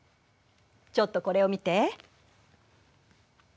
ちょっとこれを見て。